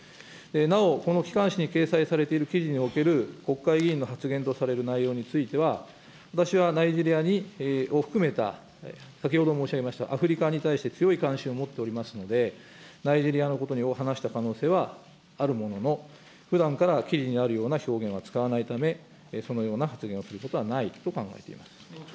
なお、このきかんしに掲載されている記事における国会議員の発言とされる内容については、私はナイジェリアを含めた、先ほど申し上げましたアフリカに対して強い関心を持っておりますので、ナイジェリアのことを話した可能性はあるものの、ふだんから記事にあるような表現は使わないため、そのような発言小西洋之君。